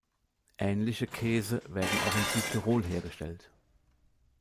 Ähnliche Käse werden auch in Südtirol hergestellt.